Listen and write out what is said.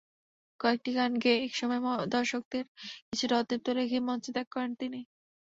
কয়েকটি গান গেয়ে একসময় দর্শকদের কিছুটা অতৃপ্ত রেখেই মঞ্চ ত্যাগ করেন তিনি।